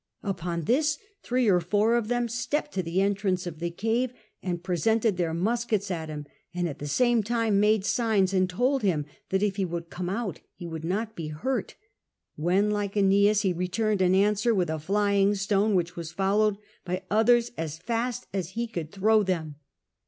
U|)oii this thrt'e or four of tliem stepped to the entrance of the cave and preseiit»»d tbeir muskets at him, ami at the same time made signs, and told him that if he would come out he sh»»uld not be hurt ; when, like ^Iiliicas, be returnwl an answer with a living stone, which w;is followed by otl'.ers fust as he could throw them.